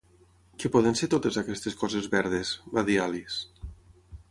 "Què poden ser totes aquestes coses verdes?", va dir Alice.